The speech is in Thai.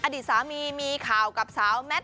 อดีตสามีมีข่าวกับสาวแมท